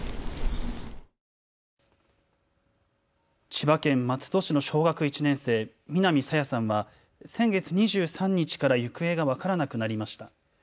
千葉県松戸市の小学１年生、南朝芽さんは先月２３日から行方が分からなくなりました。